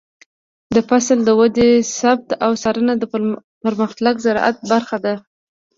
د فصل د ودې ثبت او څارنه د پرمختللي زراعت برخه ده.